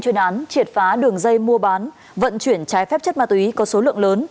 chuyên án triệt phá đường dây mua bán vận chuyển trái phép chất ma túy có số lượng lớn